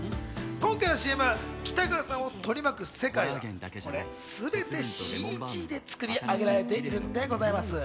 今回のＣＭ、北川さんを取り巻く世界、全てＣＧで作り上げられているんでございます。